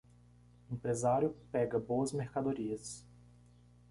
Empresário pega boas mercadorias